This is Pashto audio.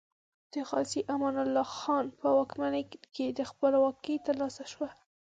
د غازي امان الله خان په واکمنۍ کې خپلواکي تر لاسه شوه.